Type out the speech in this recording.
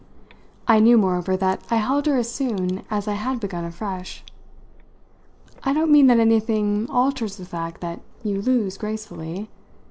I knew moreover that I held her as soon as I had begun afresh. "I don't mean that anything alters the fact that you lose gracefully.